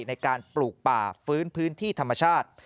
ในการปลูกป่าฟื้นพื้นที่ธรรมชาติ